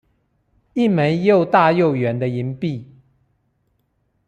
一枚又大又圓的銀幣